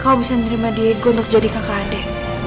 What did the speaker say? kau bisa nerima diriku untuk jadi kakak adik